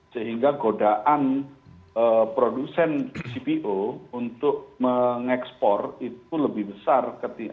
sehingga godaan produsen cpo untuk mengekspor itu lebih besar